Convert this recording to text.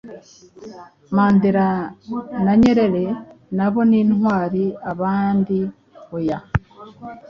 mandela na nyelele nabo nintwari abandi hoya